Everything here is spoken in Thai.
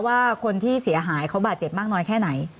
ว่าคนที่เสียหายเขาบาดเจ็บมากน้อยแค่ไหน